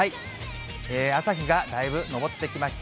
朝日がだいぶ昇ってきました。